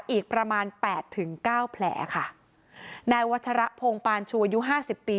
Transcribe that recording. อีกประมาณแปดถึงเก้าแผลค่ะนายวัชระพงศ์ปานชูอายุห้าสิบปี